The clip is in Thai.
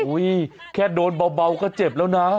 แค่โดนเบาก็เจ็บแล้วนะ